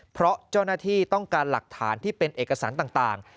เพราะเจ้าหน้าที่ต้องการหลักฐานที่เป็นเอกสารต่าง